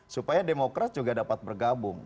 supaya demokrat juga dapat bergabung